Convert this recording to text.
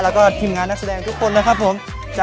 แล้วก็ทีมงานนักแสดงทุกคนนะครับผม